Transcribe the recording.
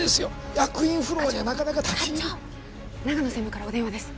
役員フロアにはなかなか立ち入り課長課長長野専務からお電話です